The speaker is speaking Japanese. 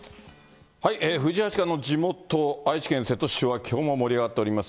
藤井八冠の地元、愛知県瀬戸市はきょうも盛り上がっております。